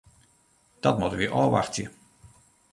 Dat moatte we ôfwachtsje.